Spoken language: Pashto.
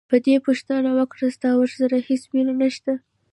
پادري پوښتنه وکړه: ستا ورسره هیڅ مینه نشته؟